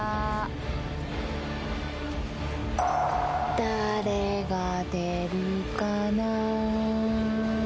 誰が出るかな。